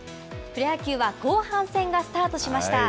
プロ野球は後半戦がスタートしました。